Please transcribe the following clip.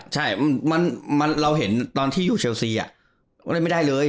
ใช่เราเห็นตอนที่อยู่เชลซีว่าเล่นไม่ได้เลย